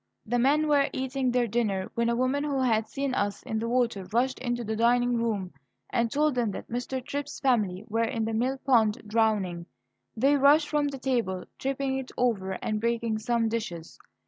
The men were eating their dinner when a woman who had seen us in the water rushed into the dining room and told them that Mr. Tripp's family were in the mill pond drowning. They rushed from the table, tipping it over and breaking some dishes.